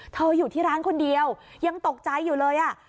อยู่ที่ร้านคนเดียวยังตกใจอยู่เลยอ่ะ